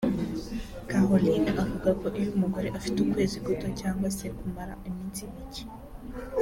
Carolyn avuga ko iyo umugore afite ukwezi guto cyangwa se kumara iminsi mike